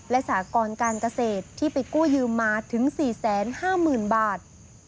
และสากรการเกษตรที่ไปกู้ยืมมาถึง๔๕๐๐๐บาท